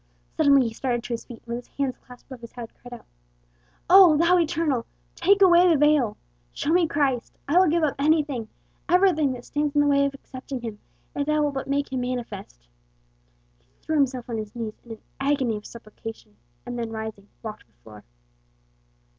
Suddenly he started to his feet, and with his hands clasped above his head, cried out: "O, Thou Eternal, take away the veil! Show me Christ! I will give up anything everything that stands in the way of my accepting him, if thou wilt but make him manifest!" He threw himself on his knees in an agony of supplication, and then rising, walked the floor.